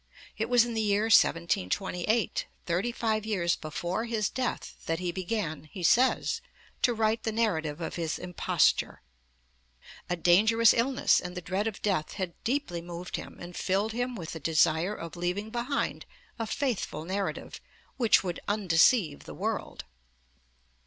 It was in the year 1728, thirty five years before his death, that he began, he says, to write the narrative of his imposture (p. 59). A dangerous illness and the dread of death had deeply moved him, and filled him with the desire of leaving behind 'a faithful narrative' which would 'undeceive the world.'